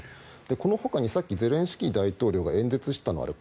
このほかにさっきゼレンスキー大統領が演説していたのはあれ、